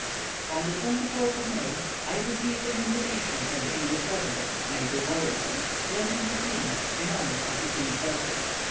On the 24th of May I received an invitation from the English resident, Major Rawlinson, to an entertainment in honour of the queen's birthday.